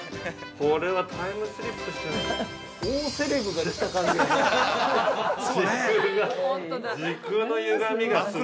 ◆これはタイムスリップしてる◆